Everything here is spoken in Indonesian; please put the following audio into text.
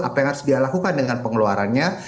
apa yang harus dilakukan dengan pengeluarannya